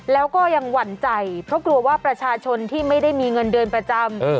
แล้วก็ยังหวั่นใจเพราะกลัวว่าประชาชนที่ไม่ได้มีเงินเดือนประจำ